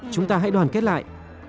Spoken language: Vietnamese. chúng ta hãy đoàn kết lại